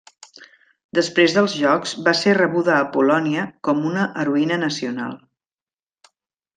Després dels Jocs va ser rebuda a Polònia com una heroïna nacional.